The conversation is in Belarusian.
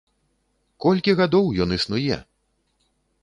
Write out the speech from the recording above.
Колькі гадоў ён існуе!